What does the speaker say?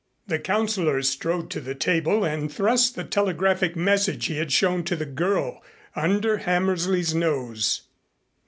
The Councilor strode to the table and thrust the telegraphic message he had shown to the girl under Hammersley's nose.